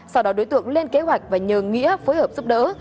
sau đó đối tượng lên kế hoạch và nhờ nghĩa phối hợp giúp đỡ